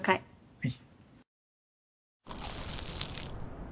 はい。